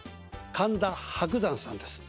神田伯山さんです。